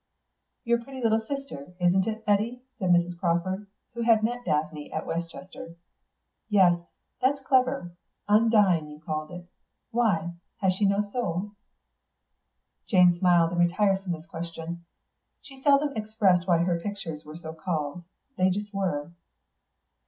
"Your pretty little sister, isn't it, Eddy," said Mrs. Crawford, who had met Daphne at Welchester. "Yes, that's clever. 'Undine,' you call it. Why? Has she no soul?" Jane smiled and retired from this question. She seldom explained why her pictures were so called; they just were.